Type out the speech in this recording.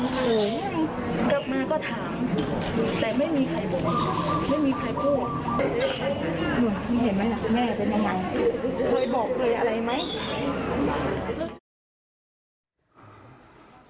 เห็นไหมล่ะแม่เป็นยังไงเคยบอกเลยอะไรไหม